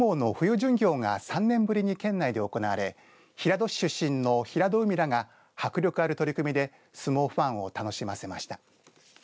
巡業が３年ぶりに県内で行われ平戸市出身の平戸海らが迫力ある取組で相撲ファンを楽しませました。